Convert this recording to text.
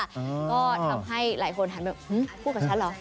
ก็ทำให้หลายคนหันไปพูดกับฉันเหรอ